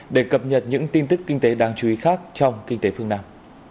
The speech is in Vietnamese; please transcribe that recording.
để cập nhật những tin tức kinh tế đáng chú ý khác trong kinh tế phương nam